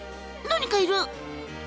何かいる！